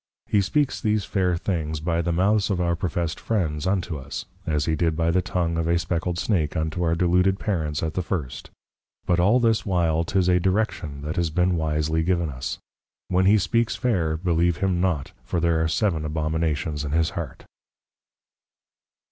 _ He speaks these Fair Things, by the Mouths of our professed Friends unto us, as he did by the Tongue of a Speckled Snake unto our Deluded Parents at the first. But all this while, 'tis a Direction that has been wisely given us; _When he speaks fair, Believe him not, for there are seven Abominations in his Heart.